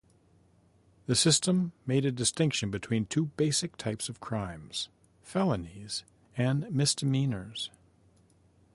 This system made a distinction between two basic types of crimes: felonies and misdemeanors.